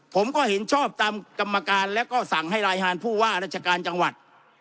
ผมก็เห็นชอบตามกรรมการแล้วก็สั่งให้รายงานผู้ว่าราชการจังหวัด